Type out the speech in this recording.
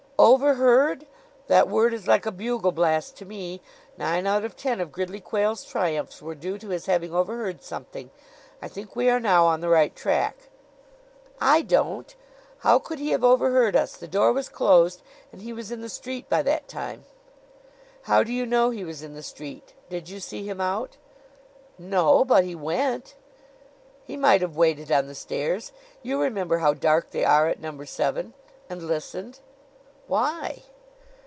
"Overheard! That word is like a bugle blast to me. Nine out of ten of Gridley Quayle's triumphs were due to his having overheard something. I think we are now on the right track." "I don't. How could he have overheard us? The door was closed and he was in the street by that time." "How do you know he was in the street? Did you see him out?" "No; but he went." "He might have waited on the stairs you remember how dark they are at Number Seven and listened." "Why?"